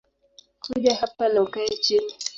Kuja hapa na ukae chini